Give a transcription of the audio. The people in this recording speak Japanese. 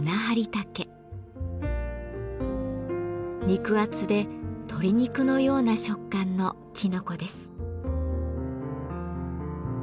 肉厚で鶏肉のような食感のきのこです。